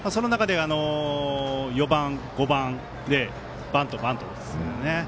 その中で４番、５番でバント、バントですよね。